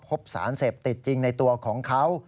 พบสารเสพติดจริงในตัวของเขา